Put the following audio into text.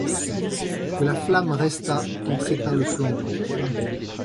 Que la flamme restât quand s’éteint le flambeau